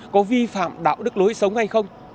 có vi phạm đạo đức lối sống hay không